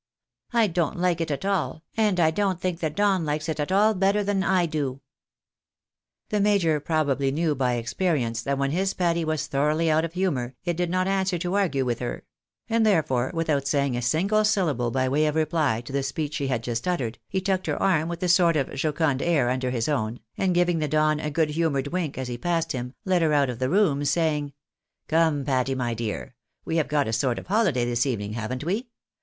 I don't like it at all, and I don't think the Don likes it at all better than I do." The major probably knew by experience that when his Patty was thoroughly out of humour, it did not answer to argue with, her ; and therefore, without saying a single syllable by way of reply to the speech she had just uttered, he tucked her arm with a sort of jocund air under his own, and giving the Don a good humoured wink as he passed him, led her out of the room, saying —" Come, Patty, my dear, we have got a sort of holiday this evening, haven't we